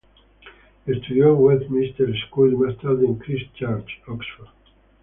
Estudió en Westminster School y más tarde en Christ Church, Oxford.